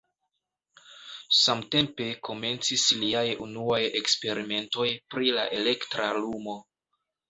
Samtempe komencis liaj unuaj eksperimentoj pri la elektra lumo.